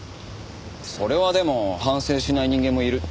それはでも反省しない人間もいる。